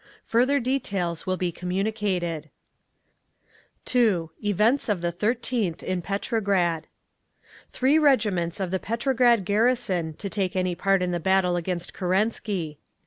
Further details will be communicated…. 2. EVENTS OF THE 13TH IN PETROGRAD Three regiments of the Petrograd garrison to take any part in the battle against Kerensky.